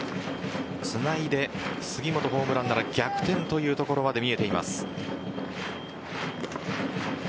つないで杉本、ホームランなら逆転というところまで見えています。